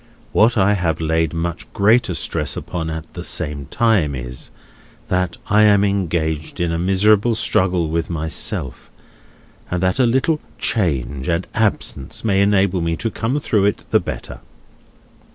What I have laid much greater stress upon at the same time is, that I am engaged in a miserable struggle with myself, and that a little change and absence may enable me to come through it the better.